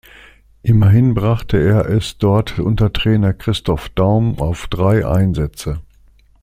Immerhin brachte er es dort unter Trainer Christoph Daum auf drei Einsätze.